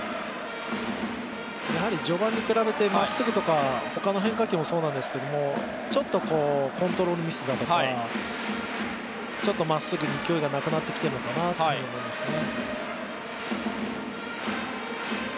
序盤に比べてまっすぐとか、他の変化球もそうなんですけどちょっとコントロールミスだとか、ちょっとまっすぐに勢いがなくなってきているのかなと思いますね。